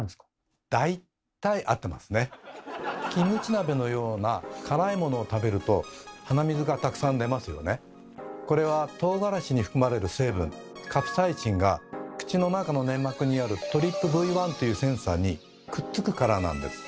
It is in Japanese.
キムチ鍋のようなこれはとうがらしに含まれる成分「カプサイシン」が口の中の粘膜にある「ＴＲＰＶ１」というセンサーにくっつくからなんです。